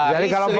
dari seribu km ya